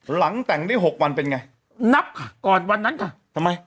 หลังแต่งได้๖วันเป็นไงนับค่ะก่อนวันนั้นค่ะทำไม